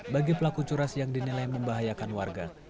bagi pelaku curas yang dinilai membahayakan warga